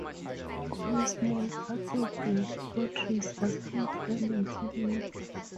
Only small parts of the fortress are still standing today.